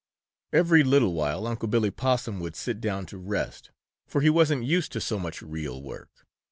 Every little while Unc' Billy Possum would sit down to rest, for he wasn't used to so much real work.